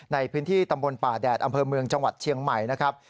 ในพื้นที่ตำบลป่าแดดอำเภอเมืองจังหวัดเชียงใหม่นะครับ